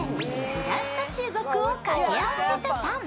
フランスと中国をかけ合わせたパン。